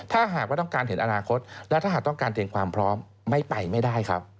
ถ้าหากว่าต้องการเห็นอนาคตและถ้าหากต้องการเตรียมความพร้อมไม่ไปไม่ได้ครับ